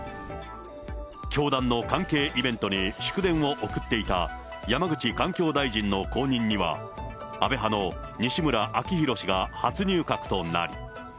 教団の関係イベントに祝電を送っていた山口環境大臣の後任には、安倍派の西村明宏氏が初入閣となり。